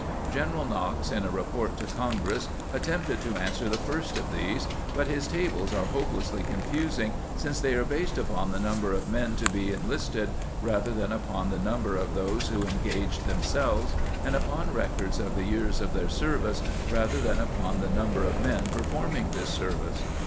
General Knox, in a report to Congress, attempted to answer the first of these,^ but his tables are hopelessly confusing, since they are based upon the number of men to be enlisted rather than upon the number of those who engaged themselves, and upon records of the years of their service rather than upon the number of men performing this service.